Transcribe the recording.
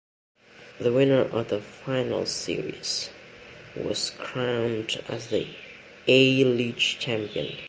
The winner of the finals series, was crowned as the A-League champion.